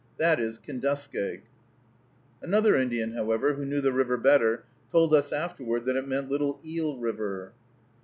That is Kenduskeag." (?) Another Indian, however, who knew the river better, told us afterward that it meant Little Eel River.